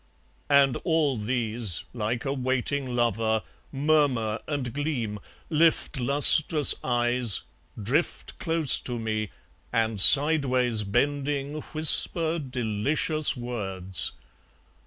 . And all these, like a waiting lover, Murmur and gleam, lift lustrous eyes, Drift close to me, and sideways bending Whisper delicious words.